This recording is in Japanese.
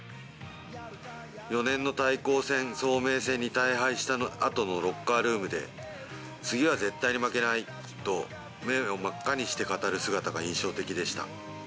４年の対抗戦、早明戦に大敗したあとのロッカールームで、次は絶対に負けないと、目を真っ赤にして語る姿が印象的でした。